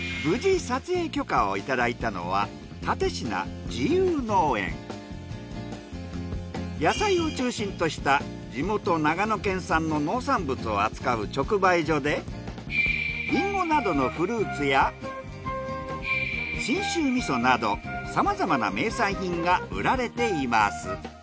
無事撮影許可をいただいたのは野菜を中心とした地元長野県産の農産物を扱う直売所でりんごなどのフルーツや信州味噌などさまざまな名産品が売られています。